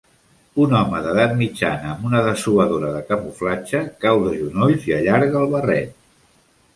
Un home d'edat mitjana amb una dessuadora de camuflatge cau de genolls i allarga el barret.